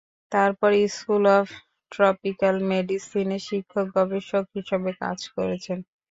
তারপর 'school of tropical মেডিসিনে' শিক্ষক ও গবেষক হিসাবে কাজ করেছেন।